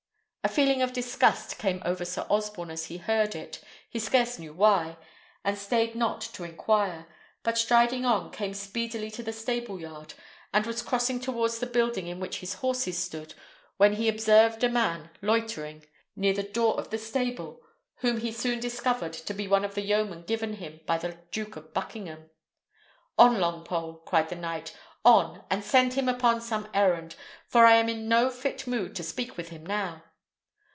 A feeling of disgust came over Sir Osborne as he heard it, he scarce knew why, and stayed not to inquire, but striding on, came speedily to the stable yard, and was crossing towards the building in which his horses stood, when he observed a man loitering near the door of the stable, whom he soon discovered to be one of the yeomen given him by the Duke of Buckingham. "On, Longpole!" cried the knight; "on, and send him upon some errand, for I am in no fit mood to speak with him now."